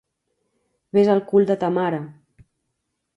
Ves al cul de ta mare.